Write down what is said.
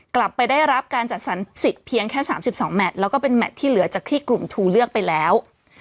กลับไปได้รับการจัดสรรสิทธิ์เพียงแค่๓๒แมทแล้วก็เป็นแมทที่เหลือจากที่กลุ่มทูเลือกไปแล้ว